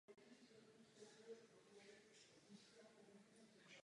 Již to nelze nadále popírat.